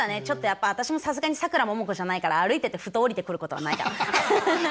ちょっとやっぱ私もさすがにさくらももこじゃないから歩いててふと降りてくることはないかな。